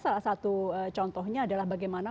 salah satu contohnya adalah bagaimana